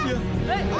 tidur kak kak